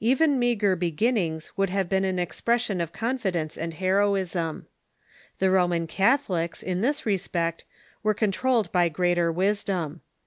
Even meagre beginnings 'would have been an expression of confidence and heroism. The Roman Catholiqs, in this re spect, were controlled by greater wisdom.